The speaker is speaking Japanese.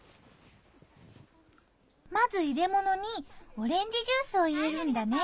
まず入れ物にオレンジジュースを入れるんだね。